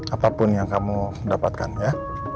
apapun yang kamu dapatkan ya